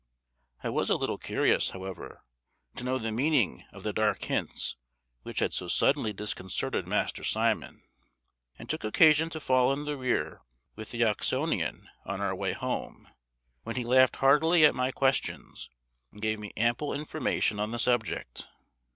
I was a little curious, however, to know the meaning of the dark hints which had so suddenly disconcerted Master Simon: and took occasion to fall in the rear with the Oxonian on our way home, when he laughed heartily at my questions, and gave me ample information on the subject.